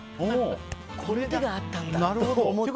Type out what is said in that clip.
この手があったんだと思って。